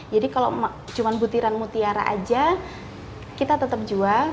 kalau cuma butiran mutiara aja kita tetap jual